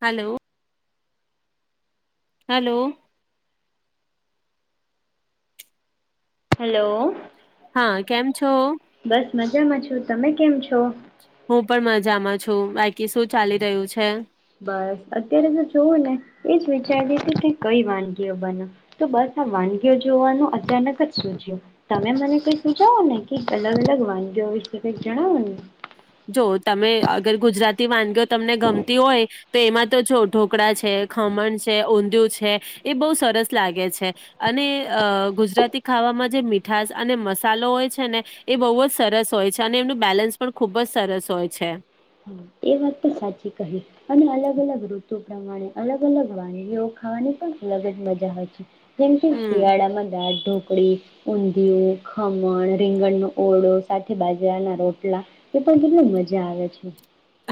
Hello hello hello હા કેમ છો? બસ મજામાં છું તમે કેમ છો? હું પણ મજામાં છું બાકી શું ચાલી રહ્યું છે? બસ અત્યારે તો જોવો ને એજ વિચારી હતી કે કઈ વાનગીઓ બનાવ તો બસ આ વાનગીઓ જોવાનું અચાનક જ સૂઝ્યું તમે મને કઈ સુઝાવોને કે અલગ અલગ વાનગીઓ વિશે કઈક જણાવો ને. જો તમે અગર ગુજરાતી વાનગી તમને ગમતી હોય તો એમાં તો જો. ઢોકળા છે ખમણ છે ઊંધિયું છે. છે એ બોવ સરસ લાગે છે અને અ ગુજરાતી ખાવામાં જે મીઠશ અને મસાલો હોય છે ને એ બહુ જ સરસ હોય છે અને એમનું બેલેન્સ પણ ખુબ જ સરસ હોય છે. એ વાત તો સાચી કહી અને અલગ અલગ ઋતુ પ્રમાણે અલગ અલગ વાનગીઓ ખાવાની પણ અલગ જ મજા હોય છે. જેમ કે હમ શિયાળામાં દાળ ઢોકળી ઊંધિયું ખમણ રીંગણનો ઓળો સાથે બાજરાના રોટલા એ પણ કેટલી મજા આવે છે.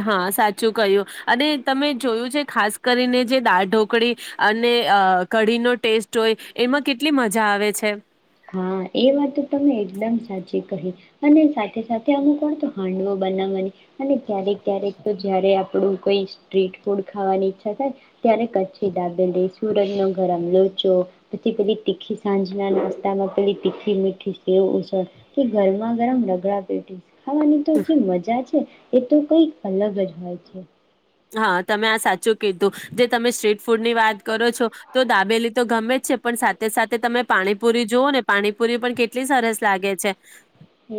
હા સાચું ક્યું અને તમે જોયું છે ખાસ કરીને જે દાળ ઢોકળી અને અ કઢીનો ટેસ્ટ હોય એમાં કેટલી મજા આવે છે. હા એ વાત તમે એકદમ સાચી કહી અને સાથે સાથે અમુક વાર તો હાંડવો બનાવવાની અને ક્યારેક ક્યારેક તો જયારે આપણું કોઈ સ્ટ્રીટ ફૂડ ખાવાની ઈચ્છા થાય ત્યારે કચ્છી દાબેલી સુરજનો ગરમ લોચો પછી પેલી તીખી સાંજના નાસ્તા [inaudible] પેલી તીખી મીઠી સેવ ઉસળ કે ગરમા ગરમ રગડા પેટીસ ખાવાની તો જે મજા છે. એ તો કઈક અલગ જ હોય છે. હા તમે આ સાચું કીધું, જે તમે સ્ટ્રીટ ફૂડ ની વાત કરો છો, તો દાબેલી તો ગમે જ છે, પણ સાથે સાથે તમે પાણીપુરી જોવો ને પાણીપુરી પણ કેટલી સરસ લાગે છે.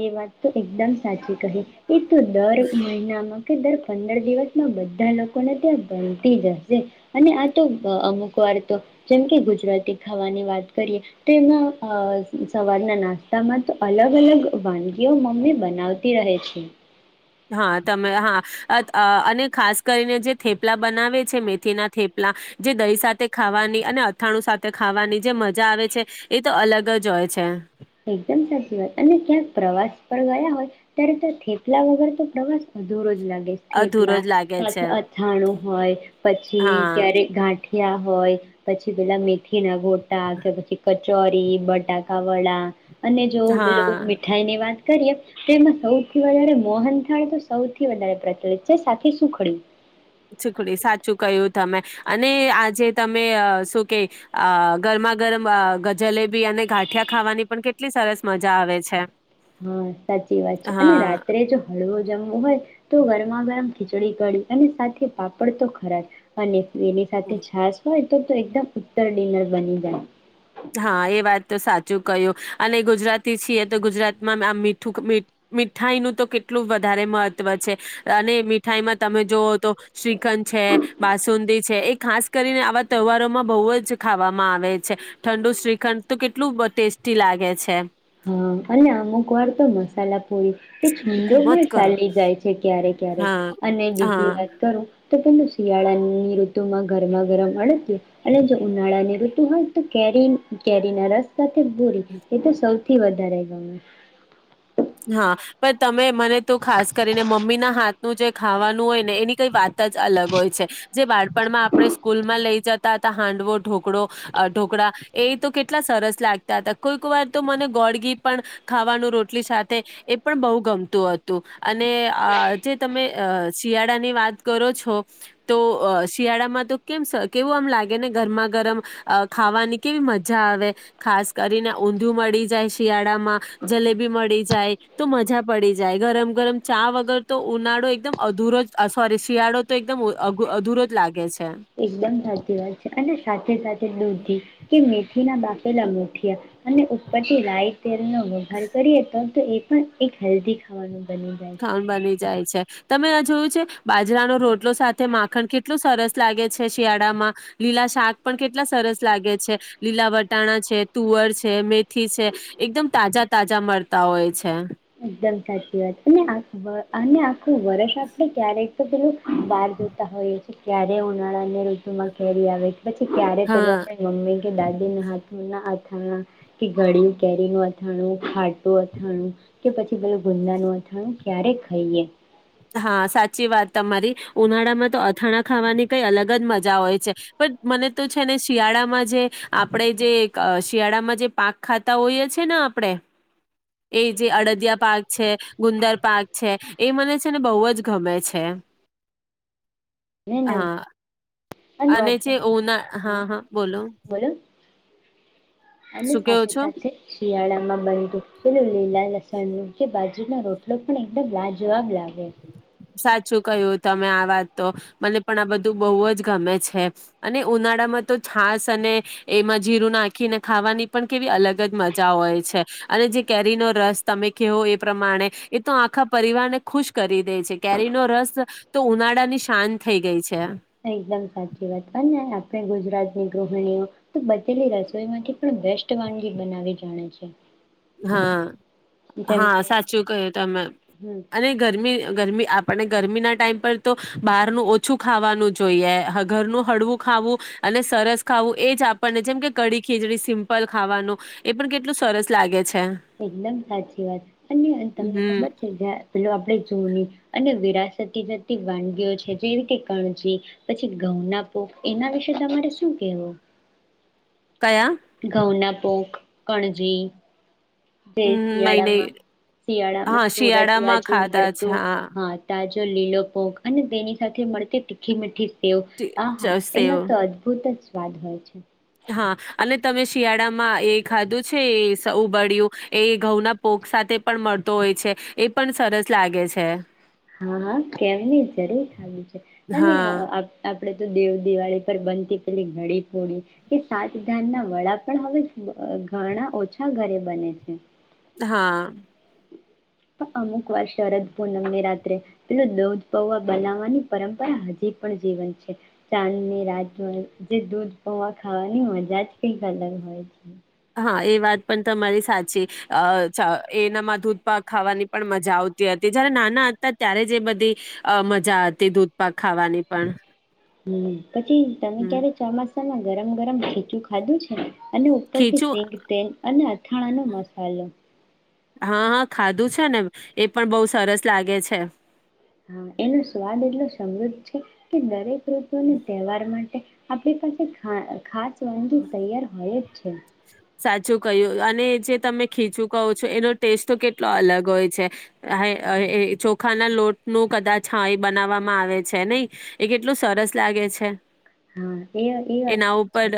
એ વાત તો એકદમ સાચી કહી. એ તો દર મહિનામાં કે દર પંદર દિવસમાં બધા લોકોને ત્યાં બનતી જશે, અને આ તો અમુક વાર તો જેમ કે ગુજરાતી ખાવાની વાત કરીએ, તો એમાં સવારના નાસ્તામાં તો અલગ અલગ વાનગીઓ મમ્મી બનાવતી રહે છે. હા તમે હા અને ખાસ કરીને જે થેપલા બનાવે છે, મેથીના થેપલા જે દહી સાથે ખાવાની અને અથાણું સાથે ખાવાની જે મજા આવે છે, એ તો અલગ જ હોય છે. એકદમ સાચી વાત અને ક્યાંક પ્રવાસ પર ગયા હોય, ત્યારે તો થેપલા વગર તો પ્રવાસ અધુરો લાગે થેપલા અધૂરો જ લાગે છે સાથે અછાણું હોય પછી હા ત્યારે ગાંઠ ઠીયા હોય પછી પેલા મેથી ના ગોટા આ કે પછી ચોરી બટાકાા વડા અને જો પેલું હા મીઠાઈ ની વાત કરીએ તો એમાં સૌથી વધારે મોહન થાળ તો સૌથી વધારે પ્રચલિત છે, સાથે સુખડી છીકડી સાચું કહ્યું તમે, અને આજે તમે શું કે ગરમા ગરમ જલેબી અને ગાંઠિયા ખાવાની પણ કેટલી સરસ મજા આવે છે. હા સાચી વાત છે, અને હા રાત્રે જો હળવો જમવુ હોય તો ગરમા ગરમ ખીચડી કડી અને સાથે પાપડ તો ખરાજ અને એની સાથે છાસ હોય ત તો એકદમ ઉત્તર ડિનર બની જાય. હા એ વાત તો સાચું કહ્યું, અને ગુજરાતી છીએ તો ગુજરાતમાં આ મીઠું મીઠાઈનું તો કેટલું વધારે મહત્ત્વ છે, અને મીઠાઈમાં તમે જોવ તો શ્રી ખન છે, બાસુંદી છે, એક ખાસ કરીને આવા તહેવારોમાં બહુ જ ખાવામાં આવે છે. ઠંડુ શ્રીખંડ તો કેટલું બ ટેસ્ટી લાગે છે. હા! અને અમુક વાર તો મસાલાપુરી એ છુંડો હુકુમત પણ કર ચાલી જાય છે, ક્યારે ક્યારેક હા અને બીજી હા વાત કરો તો, પેલું શિયાળાની ઋતુમાં ગરમા ગરમ અડદ્યું અને જો ઉનાળાની ઋતુ હોય તો કેરી કેરીના રસ સાથે ભૂરી, એ તો સો થી, વધારે ગમે. હા! પણ તમે મને તો ખાસ કરીને મમ્મીના હાથ નું જે ખાવાનું હોય ને, એની કઈ વાત જ અલગ હોય છે, જે બાળ પણ, માં આપણે સ્કૂલ માં લઈ જતા હતા. હાંડવો ઢોકળો ઢોકળા એ તો કેટલા સરસ લાગતા હતા, કોઈક વાર તો, મને ગોળ ઘી પણ ખાવાનું રોટલી સાથ એ પણ બહુ ગમતું હતું, અને આ જે તમે અ શિયાળાની વાત કરો છો, તો શિયાળામાં તો કેમ કેવું આમ લાગે ને ગરમા ગરમ ખાવાની કેવી મજા આવે ખાસ કરીને ઊંધીયું મળી જાય શિયાળામાં જલેબી મળી જાય તો! મજા પડી જાય. ગરમ ગરમ ચા વગર તો ઉનાળો એકદમ અધુરો જ સોરી, શિયાળો તો એકદમ અધુરો જ લાગે છે. એકદમ સાચી વાત છે. અને સાથે સાથે દુધી કે મીઠ ધી ના બાફેલા મુઠીયા. અને, ઉપરથી રાય, તેલ નો વઘાર કરીએ તો તો, એ પણ એક હેલ્ધી ખાવાનું બની જાય ખાવાનું છે. બની જાય છે. તમે આ જોયું છે? બાજરાનો રોટલો સાથે માખણ કેટલું સરસ લાગે છે. શિયાળામાં લીલા શાક પણ કેટલા સરસ લાગે છે. લીલા વટાણા છે, તુવર છે, મેથી છે એકદમ તાજા તાજા તાજા મળતા હોય છે. એકદમ સાચી વાત છેં. અને આ વ અને આ [unintelligible] ખુ વરસ આપલે ક્યારેક તો પેલું બાર જોતા હોઈએ છે. ક્યારે ઉનાળાની ઋતુમાં કેરી આવે? પછી ક્યારે પેલું હા આપણે મમ્મી કે દાદીના હાથના આ હ હા કે ગળિયું કેરીનું અથાણું ખાટ તો અથાણું કે પછી [unintelligible] કે ગુંદા નું અથાણું ક્યારે ખઈશ.? યે હા! સાચી વાત તમારી, ઉનાળામાં તો અથાણા ખાવાની કઈ અલગ જ મજા હોય છે. પણ મને તો છે ને, શિયાળામાં જે આપણે જે શિયાળામાં જે પાક ખાતા હોઈએ છે ને, આપણે એ જે અડદિયા પાક છે, ગુંદર પાક છે એ મને [unintelligible] ને બહુ જ ગમે છે. અને હા! અને વાત જે ઉના [unintelligible] હા હહ હા બોલો અને શું કેવો સાથે છો સાથે શિયાળામાં બનતું. પેલું લીલા લસણનું કે, બાજરીના રોટલો પણ એકદમ લાજવાબ લાગે. સાચું કહ્યું તમે આ વાત તો, મને પણ આ બધું બહુ જ ગમે છે. અને ઉનાળામાં તો છાસ અને એમાં જીરું નાખીને ખાવાની પણ કેવી અલગ જ મજા હોય છે. અને જે કેરીનો રસ તમે કેવો એ પ્રમાણે, એ તો આખા પરિવારને ખુશ કરી દે છે. કેરી નો રસ તો ઉનાળાની શાન થઈ ગઈ છે. એકદમ સાચી વાત. અને આપણે ગુજરાતની ગૃહિણીઓ તો, બચેલી રસોઈમાં કેટલું બેસ્ટ વાનગી બનાવી જાણે છે. હા! જેમ હા કે સાચું કહ્યું તમે હમ અને ગરમી ગરમી આપણને ગરમીના ટાઈમ પર તો બહારનું ઓછું ખાવાનું જોઈએ. ઘરનું હળવું ખાવું અને સરસ ખાવું એજ આપણને જેમ કે કડી ખીચડી સિમ્પલ ખાવાનું એ પણ કેટલું સરસ લાગે છે. એકદમ સાચી વાત અને તમને હમ ખબર છે જ્યાં પેલો આપણેે જુની અને વિરાસતી જતી વાનગીઓ છે જેવી કે કણજી પછી ઘઉંના પોખ એના વિશે તમારે શું કેવું? કયા ઘઉંના, પોખ, કણજી જે હમ નહી નહી શિયાળામાં શિયાળામાં હા સુરત શિયાળામાં બાજુ ખાધા છે મળતું હા હહ તાજું જો લીલો પોખ અને તેની સાથે મળતી તીખી મીઠી તેઓ આ હા ચ સેવ એના તો અદભુત જ સ્વાદ હોય છે. હા અને તમે શિયાળામાં એ ખાધું છે એ સ ઉબળ્યું એ ઘઉંના પોક સાથે પણ મળતો હોય છે. એ પણ સરસ લાગે છે. હા હા કેમની જરૂર ખાલી છે. અને હા આપણે તો દેવ દિવાળી પર બનતી પેલી ઘડીપોડી કે સાતધાન ના વડા પણ હવે ઘણા ઓછા ઘરે બને છે. હા. પણ અમુક વાર શરદ પૂનમ ની રાત્રે પેલું દૂધ પૌવા બનાવવાની પરંપરા હજી પણ જીવંત છે. ચાંદ ની રાતમાં જે દૂધ પૌવા ખાવાની મજા જ કંઈક અલગ હોય છે. હા એ વાત પણ તમારી સાચી અ છા એનામાં દૂધ પાક ખાવાની પણ મજા આવતી હતી. જયારે નાના હતા ત્યારે જ એ બધી મજા હતી દૂધ પાક ખાવાની પણ. હમ. પછી તમે હમ ક્યારે ચોમાસા તમે ગરમ ગરમ ખીચું ખાધું છે? અને ઉપરથી ખીચું સીંગ તેલ અને અથાણાં નો મસાલો. હા હા ખાધું છે ને એ પણ બહુ સરસ લાગે છે. હાં એનો સ્વાદ એટલો સમૃદ્ધ છે કે દરેક ઋતુનું તેવાર માટે આપડે પાસે ખા ખાસ તંગી તૈયાર હોય છે. સાચું કય્યું અને જે તમે ખીચું કહો છો, એનો ટેસ્ટ તો કેટલો અલગ હોય છે. [unintelligible] ચોખાના લોટ નું કદાચ હા એ બનાવવામાં આવે છે નહીં એ કેટલું સરસ લાગે છે. હા એ એ વાત તો છે.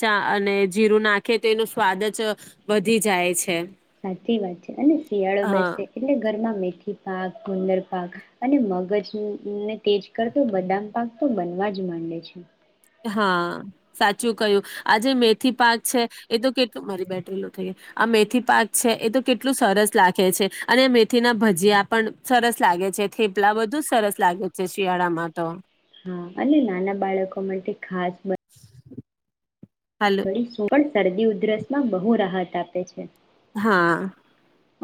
ચા અને જીરું ના કે તેનો સ્વાદ જ વધી જાય છે. સાચી વાત છે, અને શિયાળો હા. બેસે એટલે ઘરમાં મે કે પાક ગુંદર પાક અને મગજ ને-ને તેજ કરતો બદામ પાક તો બનવા જ માંડે છે. હા, સાચું કયું. આ જે મેથી પાક છે, એ તો કેટલું મારી બેટરી લો થઈ આ મેથી પાક છે એ તો કેટલું સરસ લાગે છે. અને મેથી ના ભજીયા પણ સરસ લાગે છે, થેપલાં બધુ સરસ લાગે છે શિયાળામાં તો. હા અને નાના બાળકો માટે ખાસ બ હાલ બડી સૂરણ શરદી ઉધરસ માં બહુ રાહત આપે છે. હા.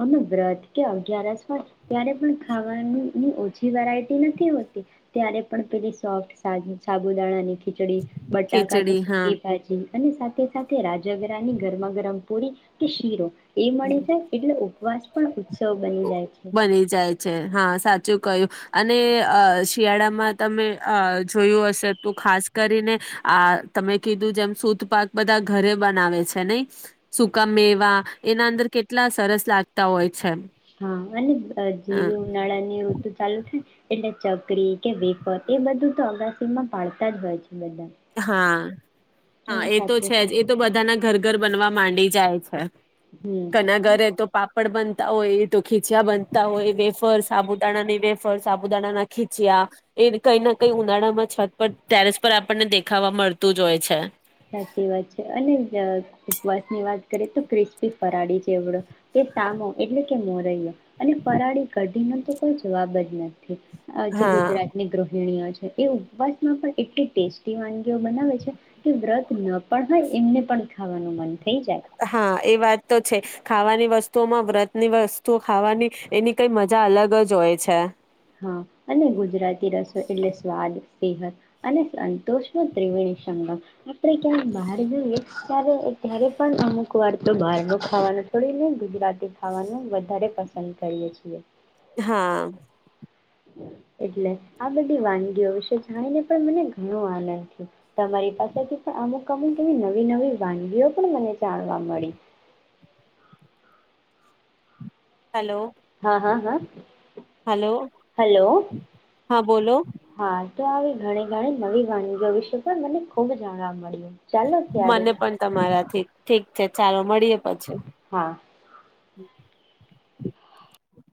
અને વ્રત કે અગિયારસ હોય ત્યારે પણ ખાવાની ની ઓછી વેરાયટી નથી હોતી. ત્યારે પણ પેલી સોફ્ટ સા-સાબુદાણાની ખીચડી બટાકાની ખીચડી હા. સુકી ભાજી અને સાથે સાથે રાજગરાની ગરમા ગરમ પુરી કે શીરો એ મળી જાય એટલે વાચપણ ઉત્સવ બની જાય છે બની જાય છે હા સાચું કહ્યું અને અ શિયાળામાં તમે અ જોયું હશે તો ખાસ કરીને આ તમે કીધું જેમ સુતપાક બધાં ઘરે બનાવે છે નહી સકા મેવા એના અંદર કેટલા સરસ લાગતા હોય છે. હા અને અ જેવી ઉનાળા ની ઋતુ ચાલુ થાય એટલે ચકડી કે વેફર એ બધું તો અગાસીમાં પાડતાં જ હોય છે બધાં હા. હા એ તો સાથે છે જ એ સાથે તો બધાના ઘર ઘર બનવા માંડી જાય છે. હમ કના અને ઘરે તો પાપડ બન તા હોય તો ખીચયા બનતા હોય વેફર સાબુદાણાની વેફર સાબુદાણા ના ખીચયા એ કઈ ના કઈ ઉનાળામાં છત પર ટેરેસ પર આપણનેે દે ખાવા મળતું જ હોય છે. સાચી વાત છે અને જ ઉપવાસ ની વાત કરીએ તો ક્રિસ્પી ફરાળી ચેવડો. તે સામો એટલે કે મોરૈ્યો અને ફરાળી કઢી નો તો કોઈ જવાબ જ નથી. આજે હા ગુજરાતની ગૃહિણીઓ છે. એ ઉપવાસમાં પણ એટલી ટેસ્ટી વાનગીઓ બનાવે છે. કે વ્રત ન પણ હોય એમને પણ ખાવાનું મન થાય. હા એ વાત તો છે ખાવાની વસ્તુઓમાં વ્રતની વસ્તુ ખાવાની એની કઈ મજા અલગ જ હોય છે. હા અને ગુજરાતી રસો એટલે સ્વાદ સેહદ અને સંતોષ નો ત્રિવેણી સંગમ આપણે ક્યાંક બહાર જોઈએ ત ત્યારે પણ અમુક વાર તો બહાર નો ખાવાનું છોડી ને ગુજરાત ખવાનું વધારે પસ કરીએ છીએ. હા. એટલે આ બધી વાનગીઓ વિશે જાણીને પણ મને ઘણો આનંદ થયો તમારી પાસેથી પણ અમુક અમુક એવી નવી નવી વાનગીઓ પણ મને જાણવા મળી. હલો. હા હા હા. હલો હલો હા બોલો. હા તો આવી ઘણી ઘણી નવી ગણીગ વિશે પણ મને ખુબ જાણવા મળ્યું. ચાલો ત્યારે મને પણ તમારાથી ઠીક છે ચાલો મળીએ પછી. હા